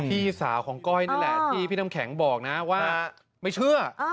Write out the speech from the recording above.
พี่สาวของก้อยนี่แหละที่พี่น้ำแข็งบอกนะว่าไม่เชื่อ